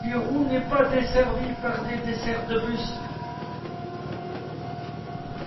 Giroux n'est pas desservie par des dessertes de bus.